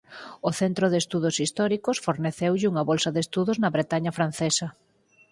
O Centro de Estudios Históricos forneceulle unha bolsa de estudos na Bretaña francesa.